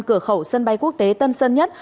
cửa khẩu sân bay quốc tế tân sơn nhất